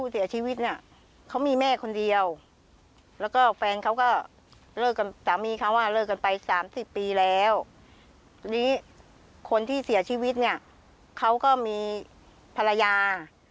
สามีเขาก็เลิกกันไป๓๐ปีแล้วคนที่เสียชีวิตเนี่ยเขาก็มีภรรยา